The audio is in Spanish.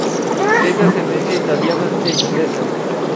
Es de ascendencia italiana e inglesa.